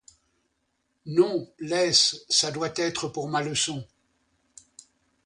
Non, laisse, ça doit être pour ma leçon.